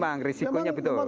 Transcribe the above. memang risikonya betul